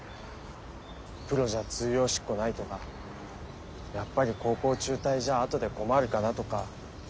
プロじゃ通用しっこないとかやっぱり高校中退じゃ後で困るかなとかいろいろ。